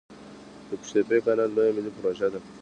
د قوش تیپې کانال لویه ملي پروژه ده